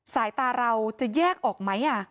สายตาเราจะแยกออกไหม